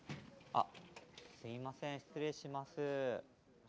すいません、失礼します。